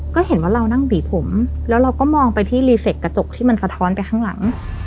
ก็เห็นว่าเรานั่งบีบผมแล้วเราก็มองไปที่รีเฟคกระจกที่มันสะท้อนไปข้างหลัง